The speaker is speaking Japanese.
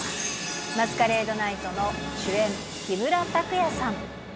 マスカレード・ナイトの主演、木村拓哉さん。